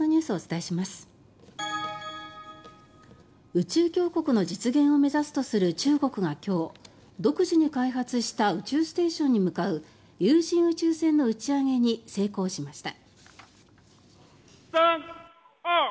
宇宙強国の実現を目指すとする中国が今日独自に開発した宇宙ステーションに向かう有人宇宙船の打ち上げに成功しました。